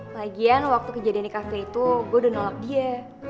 lagian waktu kejadian di kafe itu gue udah nolak dia